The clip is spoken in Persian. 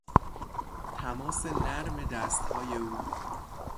تماس نرم دستهای او